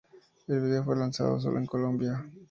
Este video fue lanzado solo en Colombia.